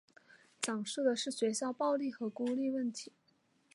讲述的是学校暴力和孤立问题。